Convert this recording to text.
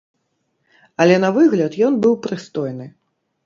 Але на выгляд ён быў прыстойны.